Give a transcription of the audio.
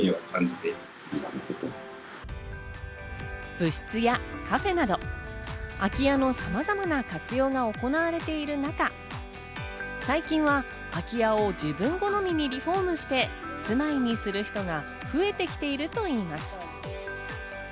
部室やカフェなど空き家のさまざまな活用が行われている中、最近は空き家を自分好みにリフォームして住まいにする人が増えてきているといいます。